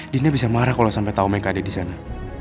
dina bisa marah kalo sampe tau mereka ada disana